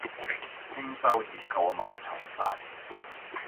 輕舟已過萬重山